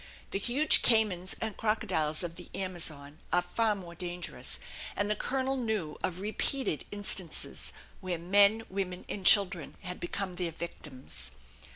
The huge caymans and crocodiles of the Amazon are far more dangerous, and the colonel knew of repeated instances where men, women and children had become their victims.